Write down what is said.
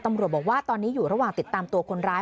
ตำรวจบอกว่าตอนนี้อยู่ระหว่างติดตามตัวคนร้าย